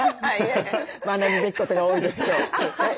学ぶべきことが多いです今日。